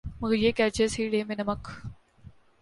مگر یہ کیا جیس ہی ڈے میں نمک